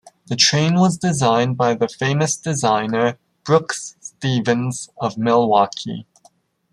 The train was designed by the famous designer Brooks Stevens of Milwaukee.